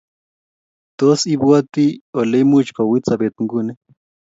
Tos ibwatite ole much kouit sopet nguni